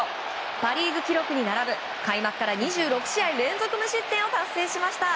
パ・リーグ記録に並ぶ開幕から２６試合連続無失点を達成しました。